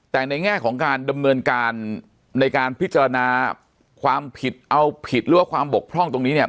แต่ในแง่ของการดำเนินการในการพิจารณาความผิดเอาผิดหรือว่าความบกพร่องตรงนี้เนี่ย